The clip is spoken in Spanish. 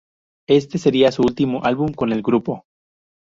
Ese sería su último álbum con el grupo.